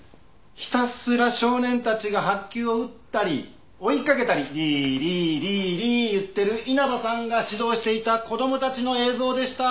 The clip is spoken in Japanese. ひたすら少年たちが白球を打ったり追いかけたり「リーリーリーリー」言ってる稲葉さんが指導していた子供たちの映像でした！